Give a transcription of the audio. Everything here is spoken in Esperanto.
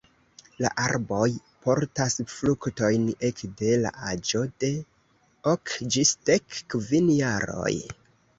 La arboj portas fruktojn ekde la aĝo de ok ĝis dek kvin jaroj.